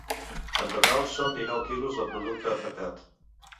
En total són dinou quilos de producte afectat.